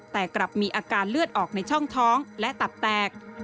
แต่กลับมีอาการเลือดออกในช่องท้องและตับแตก